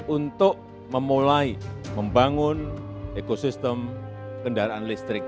untuk memulai membangun ekosistem kendaraan listrik